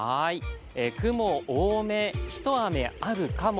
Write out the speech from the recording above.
雲多め、ひと雨あるかも？